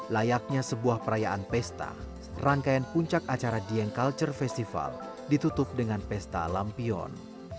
layaknya sebuah perayaan pesta rangkaian puncak acara dieng culture festival ditutup dengan pesta lampion